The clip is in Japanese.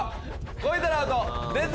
超えたらアウト！